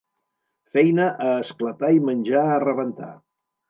Feina a esclatar i menjar a rebentar.